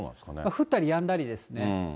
降ったりやんだりですね。